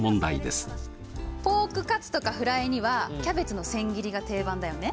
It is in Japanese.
ポークカツとかフライにはキャベツの千切りが定番だよね。